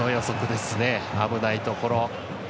危ないところ。